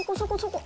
ここ？